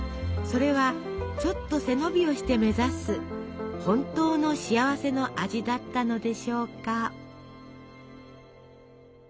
それはちょっと背伸びをして目指す本当の幸せの味だったのでしょうか。